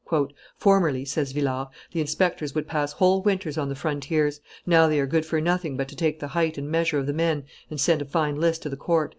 "Formerly," says Villars, "the inspectors would pass whole winters on the frontiers; now they are good for nothing but to take the height and measure of the men and send a fine list to the court."